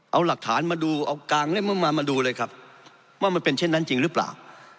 เอาหลักฐานมาดูเอากางเล่มมามาดูเลยครับว่ามันเป็นเช่นนั้นจริงหรือเปล่า